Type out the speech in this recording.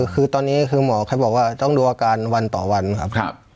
คือตอนนี้คือหมอเขาบอกว่าต้องดูอาการวันต่อวันครับ